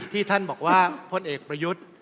ที่ท่านบอกว่าพลเอกประยุทธ์